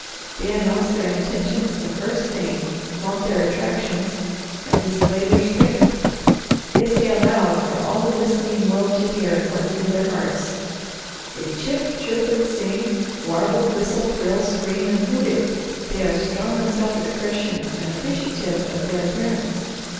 They announce their intentions the first thing, flaunt their attractions, and display their strength. They say aloud, for all the listening world to hear, what is in their hearts. They chip, chirp, and sing, warble, whistle, thrill, scream, and hoot it. They are strong on self expression, and appreciative of their appearance.